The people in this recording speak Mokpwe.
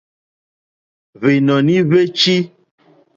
Hwènɔ̀ní hwé chí.